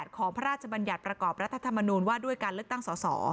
ของพระราชบัญญัติประกอบรัฐธรรมนูญว่าด้วยการเลือกตั้งสอสอ